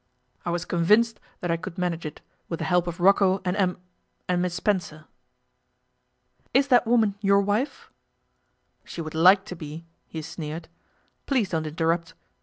I was convinced that I could manage it, with the help of Rocco and Em and Miss Spencer.' 'Is that woman your wife?' 'She would like to be,' he sneered. 'Please don't interrupt.